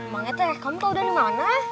bangete kamu tau dari mana